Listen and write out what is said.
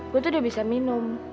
gue tuh udah bisa minum